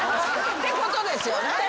ってことですよね。